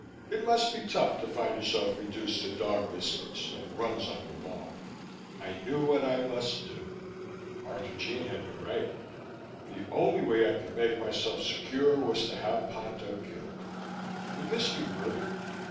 It must be tough to find yourself reduced to dog biscuits and runs on the lawn. I knew what I must do. Arthurjean had been right. The only way I could make myself secure was to have Ponto killed. Would this be murder?